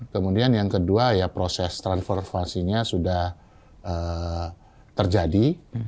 kemudian yang kedua ya proses transformasinya sudah terjadi